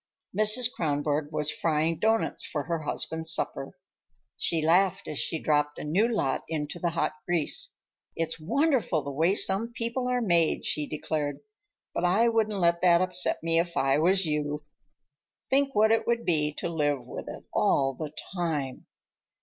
Mrs. Kronborg was frying doughnuts for her husband's supper. She laughed as she dropped a new lot into the hot grease. "It's wonderful, the way some people are made," she declared. "But I wouldn't let that upset me if I was you. Think what it would be to live with it all the time.